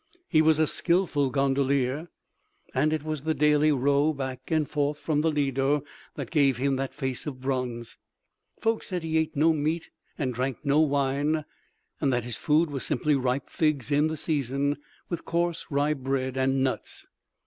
He was a skilful gondolier, and it was the daily row back and forth from the Lido that gave him that face of bronze. Folks said he ate no meat and drank no wine, and that his food was simply ripe figs in the season, with coarse rye bread and nuts.